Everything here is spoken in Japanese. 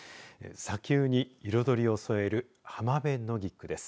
砂丘に彩りを添えるハマベノギクです。